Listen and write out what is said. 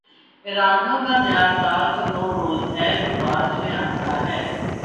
ایرانیوں کا نیا سال تو نوروز ہے جو مارچ میں آتا ہے۔